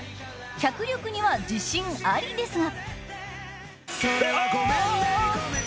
脚力には自信ありですが。